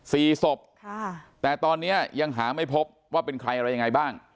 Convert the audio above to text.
สี่ศพค่ะแต่ตอนเนี้ยยังหาไม่พบว่าเป็นใครอะไรยังไงบ้าง